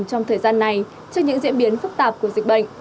trong thời gian này trên những diễn biến phức tạp của dịch bệnh